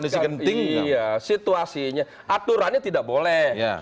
situasinya aturannya tidak boleh